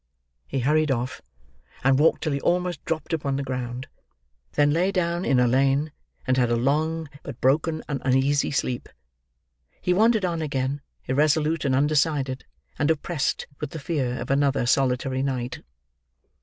He hurried off, and walked till he almost dropped upon the ground; then lay down in a lane, and had a long, but broken and uneasy sleep. He wandered on again, irresolute and undecided, and oppressed with the fear of another solitary night.